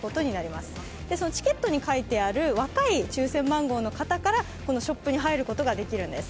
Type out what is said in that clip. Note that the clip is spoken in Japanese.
そのチケットに書いてある若い抽選番号の方からこのショップに入ることができるんです。